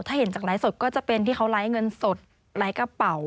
ถ้าเห็นจากไลฟ์สดก็จะเป็นที่เขาไร้เงินสดไลค์กระเป๋า